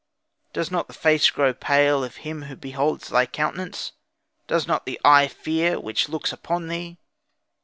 Does not the face grow pale, of him who beholds thy countenance; Does not the eye fear, which looks upon thee."